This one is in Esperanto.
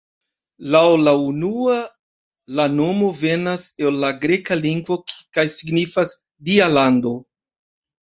Laŭ la unua la nomo venas el la greka lingvo kaj signifas "Dia lando".